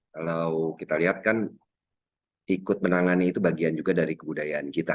kalau kita lihat kan ikut menangani itu bagian juga dari kebudayaan kita